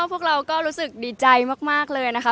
พวกเราก็รู้สึกดีใจมากเลยนะคะ